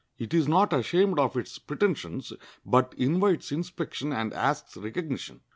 It is not ashamed of its pretentions, but invites inspection and asks recognition.